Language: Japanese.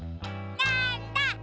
なんだ？